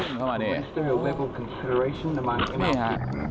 เอ้ยเข้ามาเนี่ยนี่ฮะ